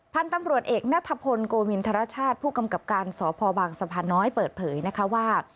พันธุ์ตำรวจเอกนัทพลโกมินทรชาติผู้กำกับการสพบางสะพานน้อยเปิดเผยนะคะว่า